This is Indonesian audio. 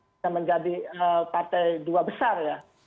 bisa menjadi partai dua besar ya